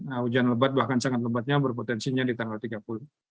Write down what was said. nah hujan lebat bahkan sangat lebatnya berpotensinya di tanggal tiga puluh